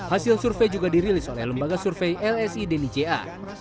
hasil survei juga dirilis oleh lembaga survei lsi deni ja